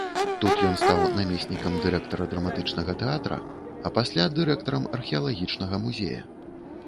Тут ён стаў намеснікам дырэктара драматычнага тэатра, а пасля дырэктарам археалагічнага музея.